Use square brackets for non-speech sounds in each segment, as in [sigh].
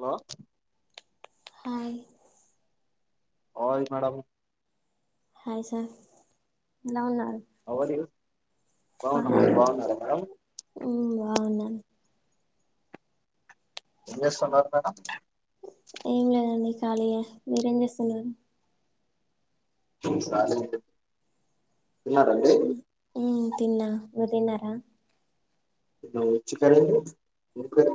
వా ఆయ్ hi madam hi sir ఎలా ఉన్నారు అవలే బా బాగున్నా మరి మ్మ్ బాగున్నారా మేడం అ ఏమి చేస్తన్నారా మేడం ఏం లేదండి ఖాళీగా మీరేం చేస్తున్నారు ఇసాలే హు తిన్నా మీరు తిన్నారా ఏం కర్రీ అండి ఏం కర్రీ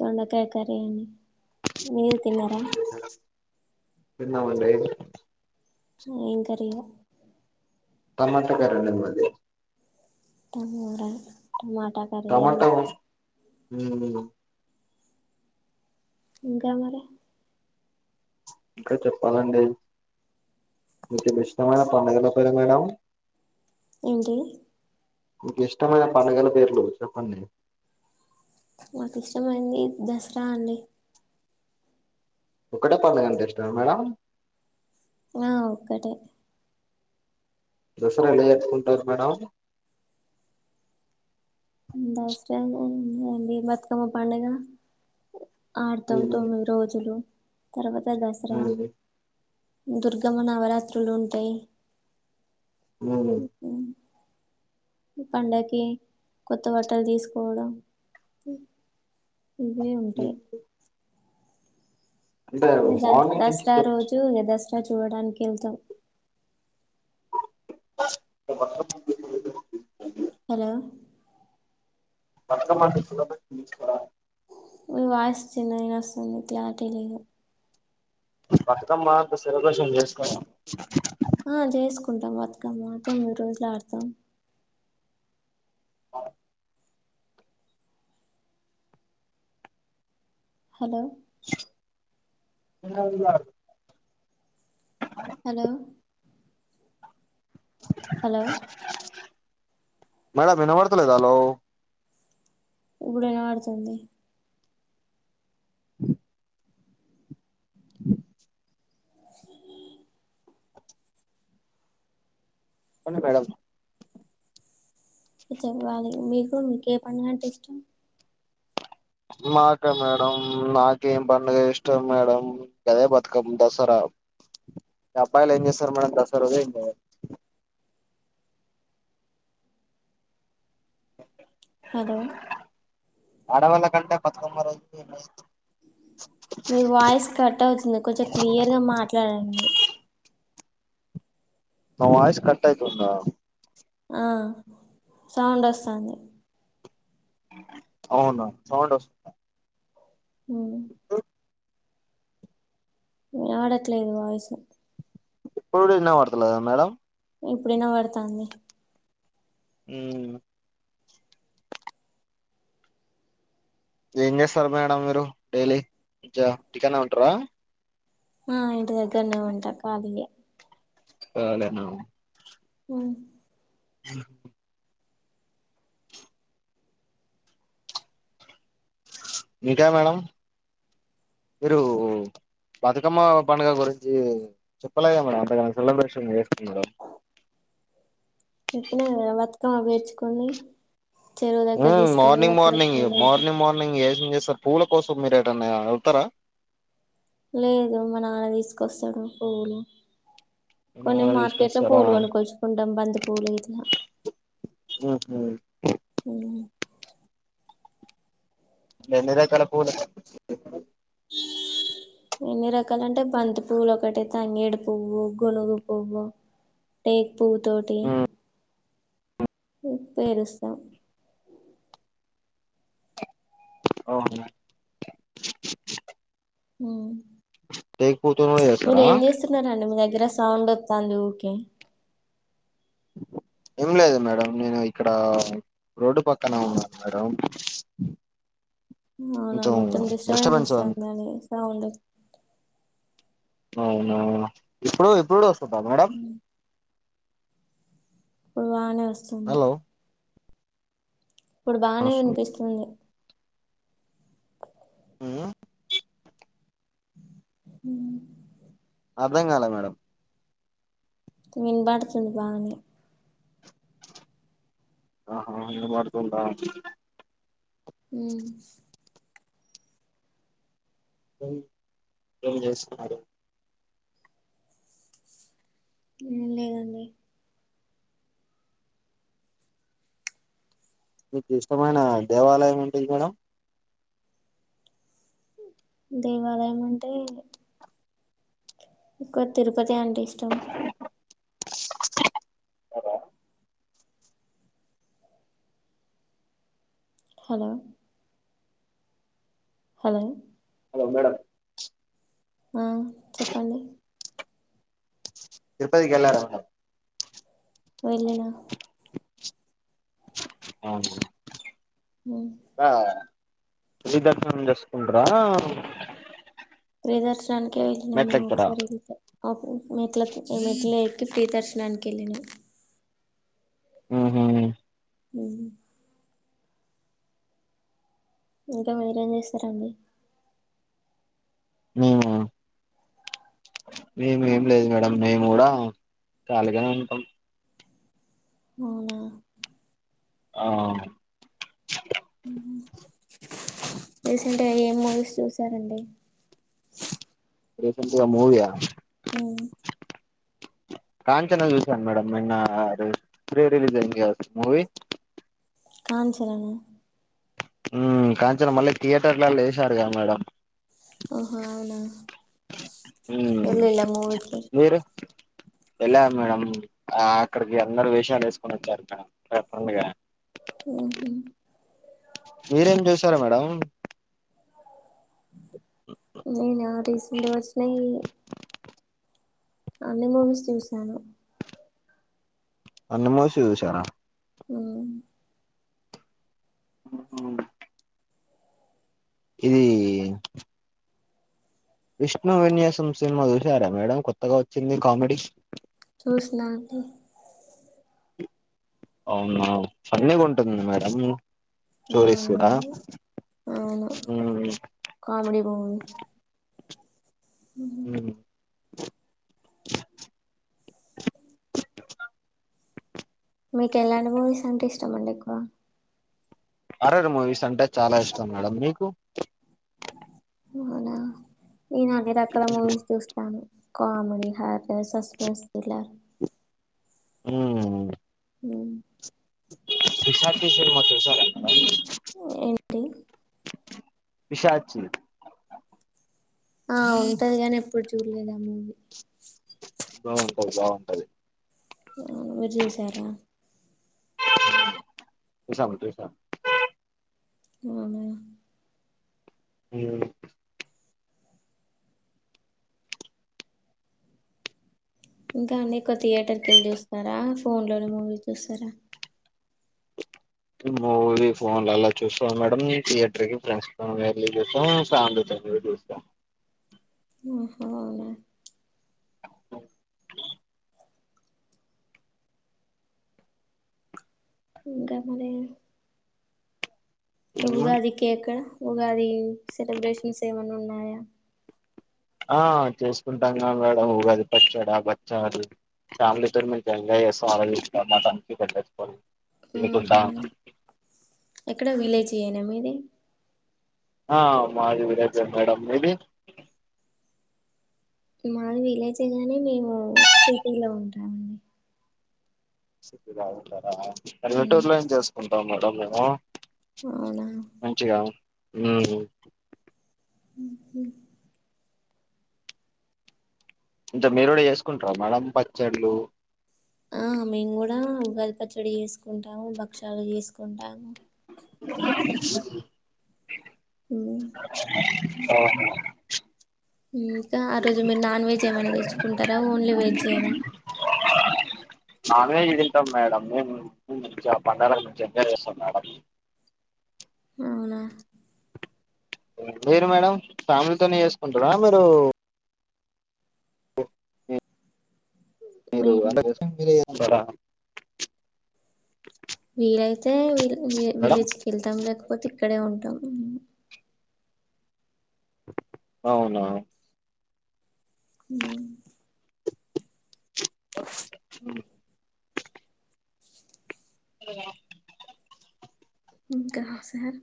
దొండకాయ కర్రీ అండి మీరు తిన్నారా తిన్నమండి ఎం కర్రీ హోం టమాటా కర్రీ అండి మది టమోరాయి టమాటా కర్రీ య హు ఇంకా మరి ఇంకా చెప్పాలండి మీకి ఇష్టమైననా పండగల పేరు మేడం ఏంటే మీకు ఇష్టమైన పడుగల పేర్లు చెప్పండి నాకు ఇష్టమైంది దసరా అండి ఒకటే పడుగంటే ఇష్టం మేడం ఆ ఒక్కటే దసరా ఎలా జరుపుకుంటారు మేడం ఊమ్ అండి బతుకమ్మ పండగ ఆర్తవ్ ఉమ్ తొమ్మిది రోజులు తరువాత్ అ దసరా ఉమ్ దుర్గమ్మ నవరాత్రులు ఉంటయి ఉమ్ ఊహ్మ్ పండగకి కొత్త బట్టలు తీసుకోవడం ఇవే ఉమ్ ఉంటయి అంటే మార్నింగ్ [unintelligible] ఇ చూడానికి ఎళ్తం [unintelligible] హలో బతకమ్మ ఫెస్టివల్ తీస్ కదా వాయిస్ చిన్నగినొస్తుంది క్లారిటీ లేదు బతకమ్మ అంత సెలబ్రేషన్ చేస్తార ఆ చేసుకుంటాం బతుకమ్మ తొమ్మిది రోజులు ఆడతాం ఆ హలో అ [unintelligible] హలో హలో మేడం వినపడ్తలేదా హలో ఇప్పుడు ఇనవడుతుంది హ [inaudible] సి [unintelligible] చెప్పండి మేడం [unintelligible] పిచ్చేప్ వాళ్లు మీకు మీకేం పండగంటే ఇష్టం మాకా మేడం నాకేం పండుగ ఇష్టం మేడం అదే బతకమ్మ దసరా అబ్బాయిలు ఏం చేస్తారు మేడం దసర రోజు ఇంగ హలో ఆడవాళ్ళ కంటే బతకమ్మరోజు మీ వాయిస్ కట్ అవుతుంది కొంచెం క్లియర్ గా మాట్లాడండి నా వాయిస్ కట్ ఐతుందా ఆహ్ సౌండ్ వస్తంది అవును సౌండ్ అస్తు హ్మ్మ్ ఇనపడట్లేదు మీ వాయిసు ఇప్పుడు కూడా ఇనవడతలేదా మేడం ఇప్పుడు వినవాడతాంది హ్మ్మ్ ఏం చేస్తారు మేడం మీరు డైలీ ఇక ఇంట్లోనే ఉంటారా ఆ ఇంటి దగ్గరనే ఉంటా ఖాళీగా ఖాళీనా హ్మ్ ఎందుకు ఇంకా మేడం మీరు బతుకమ్మ పండుగ గురించి చెప్పలేద మేడం అంతగా సెలబ్రేషన్ చేసుకోడం చెప్పిన కదా బతుకమ్మ పేర్చుకొని చెరువు దగ్గర ఊఉ తీసుకుపోయి మార్నింగ్ అక్కడ మార్నింగ్ పూలు అక్కడ మార్నింగ్ మార్నింగ్ ఏం చేస్తారు పూల కోసం మీరు యాడన్నా వెళ్తారా లేదు మా నాన్న తీసుకోస్తాడు పువ్వులు కొన్ని ఏమైనా మార్కెట్ లో తీసుకొస్తారా పూలు కొనక్కోచ్చుకుంటాం బంతి పూలు ఇట్లా ఆహ మ్ ఎన్ని రకాల పూలు ఎన్ని రకాలంటే బంతి పువ్వులు ఒకటి తంగేడు పువ్వు గునుగు పువ్వు టేక్ పువ్వు తోటి ఉమ్, పే పేరుస్తా ఓ ఔనా హ్మ్ పూతోని కూడా మీరు చేస్తారా ఏం చేస్తున్నారంండి మీ దగ్గర సౌండ్ వత్తు చాలు ఓకే ఏం లేదు మేడం నేను ఇక్కడ రోడ్డు పక్కన ఉన్నాను మేడం అవునా కొంచెం మొత్తం డిస్టబెన్స్ డిస్టర్బెన్స్ అన్- వస్తుంది అని సౌండ్ అవునా ఇప్పుడు ఇప్పుడు మేడం పోన వస్తుంది హలో ఇప్పుడు బానే వస్తుంది. వినిపిస్తుంది ఉమ్ హ్మ్ అర్థం కాలా మేడం వీనపడుతుంది బానే ఆహా వినపడుతుందా హ ఏం చేస్తున్నారు లేదు మీకు ఇష్టమైన దేవాలయం ఏంటది మేడం దేవాలయం అంటే ఎక్కువ తిరుపతి అంటే ఇష్టం హలో హలో హలో మేడం ఆ చెప్పండి తిరుపతికి వేళ్ళారతే వెళ్ళినా ఆ ఆ ఉచిత దర్శనం చేసుకుంట్రా ఫ్రీ దర్శన్ దానీకే వెళ్ళ నమ్మ ఒకసారి వెళ్తే మెట్ల మెట్లలేకీ ఫ్రీ దర్శనానికి వెళ్లినం ఆహ అ ఇంకా మీరేం చేస్తారండి మేము మేము ఏం భయపడం మేము కూడా ఖాళీగానే ఉంటాం అవునా ఆ రీసెంట్ గా ఏం మూవీస్ చూసారండి రీసెంట్లీ మూవీ యా అ కాంచనా చూసాను మేడం నిన్న రీ రిలీజ్ అయింది కదా మూవీ కాంచన నా ఆ కాంచన మళ్ళీ థియేటర్లలో వేశారు కదా మేడం ఓహో అవునా హ వెళ్ళిలా మూవీకి మీరు వెళ్ళను మేడం అక్కడికి అందరు వేషలు వేసుకొని వచ్చారు మేడం మ్మ్ హు మీరేం చేశారు మేడం. నేనా రీసెంట్ గా వచ్చినయి అన్నీ మూవీస్ చూసాను అన్ని మూవీస్ చూసారా? మ్మ్ మ్మ్ హు ఇదీ విష్ణు విన్యాసం సినిమా చూసారా మేడం కొత్తగా వచ్చింది కామెడీ. చూసిన అంటే అవునా ఫన్నీగా ఉంటుంది మేడమ్ మ్మ్ అవున కామెడీ మూవీ మ్మ్ మీకు ఎలాంటి మూవీస్ అంటే ఇష్టమ అండి ఎక్కువ హర్రర్ మూవీస్ అంటే చాలా ఇష్టం మేడం. మీకు? అవునా నేను అన్ని రకాల మూవీస్ చూస్తాను. కామెడి హార్ సస్పెన్స్ థ్రిల్లర్ మ్మ్ మ్ పిశాచి సినిమా చూశారా మేడం. ఏంటి పిశాచి ఆ ఉంటది గాని ఎప్పుడు చూడ్లేదు ఆ మూవీ. బాగుంటది బాగుంటది. మీర్ చూసారా మ్ చూసాం చూసాం అవునా మ్ ఇంకా అండి ఎక్కువ థియేటర్కి వెళ్ళి చూస్తారా, ఫోన్ లోనే మూవీస్ చూస్తారా? మూవీ ఫోన్లల్లా చూస్తాం మేడం థియేటర్ కి ఫ్రెండ్స్ తో వెళ్లీ చూస్తాం ఫ్యామిలీతో కూడ చూస్తం. ఓహో అవునా ఇంకా మరి. క్క మ్మ్. ఉగాదికి ఎక్కడ ఉగాది సెలబ్రేషన్స్ ఏమన్నా ఉన్నాయా? ఆ చేసుకుంటాం గా మేడం ఉగాది పచ్చడ, బచ్చాలు. ఫ్యామిలీ తో మంచిగ ఎంజాయ్ చేస్తాం. [unintelligible] మ్మ్ తినుకుంటా హు ఎక్కడ విలేజ్యేనా మీది? ఆ మాది విలేజే మేడం. మీది? మాది విలేజే కానీ మేము సిటీలో ఉంటామండి. సిటీ లో ఉంటా రా. మ్మ్. పల్లెటూరులో ఏం చేసుకుంటావ్ మర్ టాం మేము అవునా ఊ ఊహు ఇంతకు మీరు కూడా చేసుకుంటారా మేడం పచ్చళ్ళు ఆ మేము కూడా ఉగాది పచ్చడి చేసుకుంటాము భక్షలు చేసుకుంటాము మ్మ్. ఓహో ఇంకా ఆ రోజు మీరు నాన్ వెజ్ ఏమైనా తెచ్చుకుంటారా ఓన్లీ వెజ్ నా నాన్ వెజ్ హే తింటాం మేడం మేము మంచిగా ఆ పండగలకు ఎంజాయ్ చేస్తాం మేడమ్ అవునా మీరు మేడం ఫ్యామిలీతోనే చేసుకుంటారా మీరు ఒ ఇ మీ మీరు అంటే క్వశ్చన్ మీరే ఉండడాం వీలైతే వి మేడం విలేజ్కి వెళ్తాం లేకపోతే ఇక్కడే ఉంటాం అవునా ఊ ఊ ఇగో ఇంకా హాసన్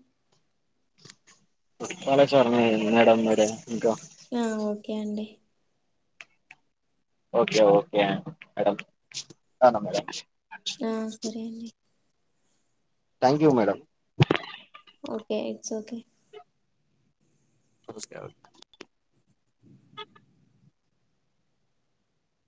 కాళేశ్వరం ఏ వినడం ఏ డే ఇంకా యా ఓకే అండి ఓకే ఓకే మేడం సరే మేడం ఆ సరే పేంది thank you madam okay it's okay okay okay